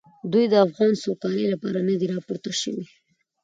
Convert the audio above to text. دوی د افغان سوکالۍ لپاره نه دي راپورته شوي.